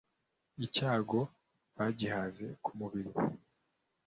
Icyago bagihaze ku mubiri.